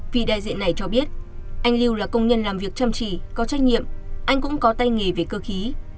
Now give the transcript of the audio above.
vì đại diện này cho biết anh lưu là công nhân làm việc chăm chỉ có trách nhiệm anh cũng có tay nghề về cơ khí